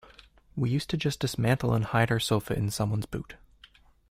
We used to just dismantle and hide our sofa in someone's boot.